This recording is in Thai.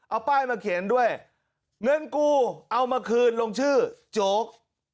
เอาป้ายมาเขียนด้วยเงินกูเอามาคืนลงชื่อโจ๊ก